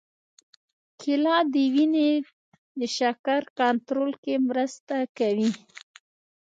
کېله د وینې د شکر کنټرول کې مرسته کوي.